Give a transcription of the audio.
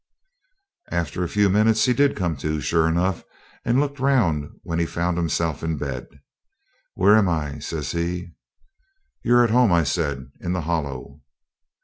After a few minutes he did come to, sure enough, and looked round when he found himself in bed. 'Where am I?' says he. 'You're at home,' I said, 'in the Hollow.'